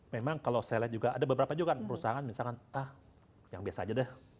memang kalau saya lihat juga ada beberapa juga kan perusahaan misalkan ah yang biasa aja deh